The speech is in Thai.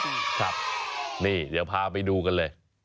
ครับนี่เดี๋ยวพาไปดูกันเลย